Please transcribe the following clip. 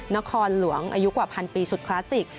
นครหลวงอายุกว่าพันปีสุดคลาสสิก